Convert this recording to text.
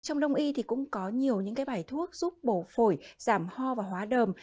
trong đồng y thì cũng có nhiều những cái bài thuốc giúp bổ phổi giảm ho và hóa đờm